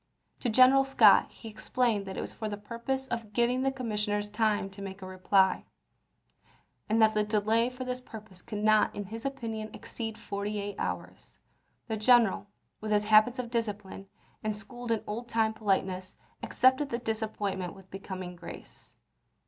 To General Scott he explained that it was for the purpose of giving the commissioners time to make a reply, and that the delay for this purpose could not in his opinion exceed forty eight hours. The general, with his habits of discipline, and schooled in old time politeness, accepted the disappointment with becoming grace.